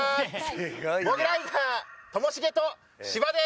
モグライダーともしげと芝です。